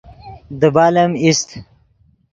دیبال ام ایست